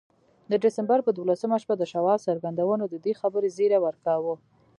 د ډسمبر پر دولسمه شپه د شواب څرګندونو د دې خبرې زيري ورکاوه.